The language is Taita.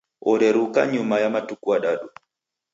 Oreruka nyuma ya matuku adadu.